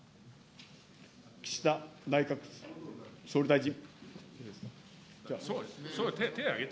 岸田内閣総理大臣。